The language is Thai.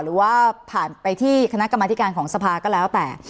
หรือว่าผ่านไปที่คณะกรรมธิการของสภาก็แล้วแต่